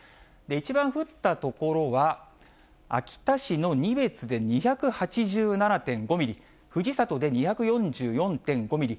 一番降った所は、秋田市の仁別で２８７．５ミリ、藤里で２４４．５ミリ。